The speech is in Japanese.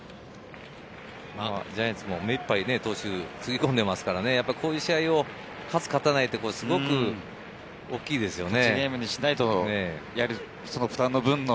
ジャイアンツも目いっぱい投手をつぎ込んでますからこういう試合を勝つ勝たないってすごく大きいですよね。